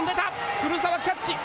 古澤、キャッチ。